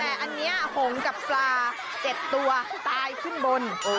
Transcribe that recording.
แต่อันนี้หงกับปลา๗ตัวตายขึ้นบน